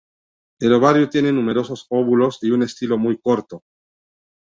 El ovario tiene numerosos óvulos y un estilo muy corto.